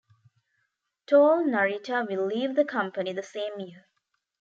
Tohl Narita will leave the company the same year.